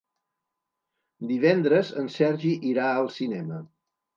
Divendres en Sergi irà al cinema.